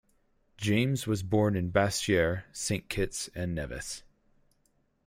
James was born in Basseterre, Saint Kitts and Nevis.